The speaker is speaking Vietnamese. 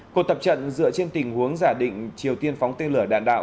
cuộc tập trận dựa trên tình huống giả định triều tiên phóng tên lửa đạn đạo